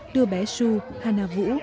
đưa bé sue hana vũ